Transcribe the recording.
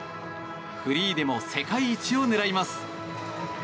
フリーでも世界一を狙います。